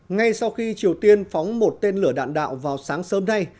ngay sau khi triều tiên phóng một tên lửa đạn đạo vào sáng sớm nay